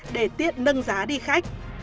để tiện nâng giá đi khách